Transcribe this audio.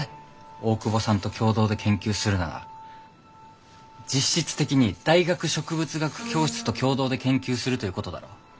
大窪さんと共同で研究するなら実質的に大学植物学教室と共同で研究するということだろう？